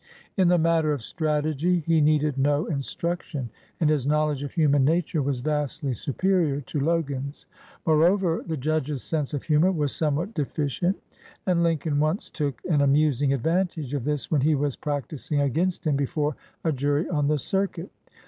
In the matter of strategy he needed no instruction, and his knowledge of human nature was vastly superior to Logan's. Moreover, the judge's sense of humor was somewhat deficient, 122 A NOTABLE PARTNERSHIP and Lincoln once took an amusing advantage of this when he was practising against him before a jury on the circuit.